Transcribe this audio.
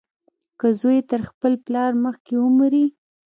که زوى تر خپل پلار مخکې ومري.